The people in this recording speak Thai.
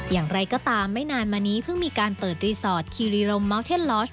อย่างไรก็ตามไม่นานมานี้เพิ่งมีการเปิดรีสอร์ทคีรีรมเมาเทนลอส